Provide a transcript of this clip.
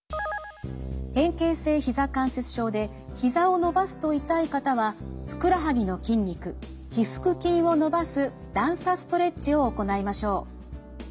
変形性ひざ関節症でひざを伸ばすと痛い方はふくらはぎの筋肉腓腹筋を伸ばす段差ストレッチを行いましょう。